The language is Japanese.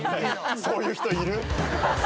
そういう人いる。